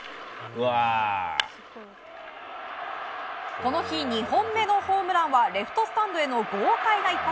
この日２本目のホームランはレフトスタンドへの豪快な一発。